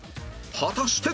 果たして